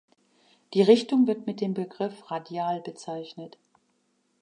Die Richtung wird mit dem Begriff Radial bezeichnet.